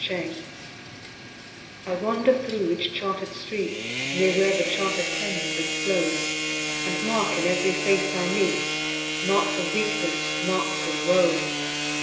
London I wander thro' each charter'd street, Near where the charter'd Thames does flow, And mark in every face I meet Marks of weakness, marks of woe.